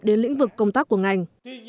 đến lĩnh vực công tác của ngành